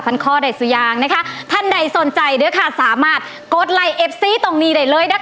พันข้อได้สุยางนะท่านใดสนใจกดไลก์เอฟซี้ตรงนี้เลย